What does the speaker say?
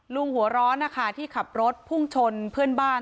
ลุงหัวร้อนที่ขับรถพุ่งชนเพื่อนบ้าน